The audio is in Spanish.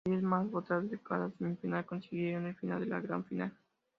Los diez más votados de cada semifinal consiguieron el pase a la gran final.